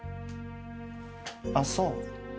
あっそう。